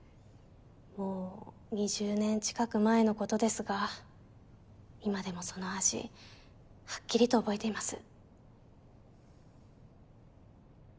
もう２０年近く前のことですが今でもその味はっきりと覚えています。